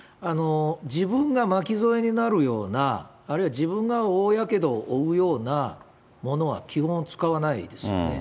自分が巻き添えになるような、あるいは自分が大やけどを負うようなものは基本は使わないですよね。